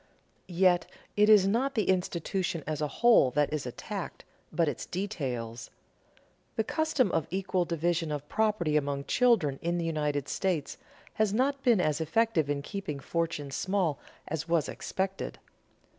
Yet, it is not the institution as a whole that is attacked, but its details. The custom of equal division of property among children in the United States has not been as effective in keeping fortunes small as was expected.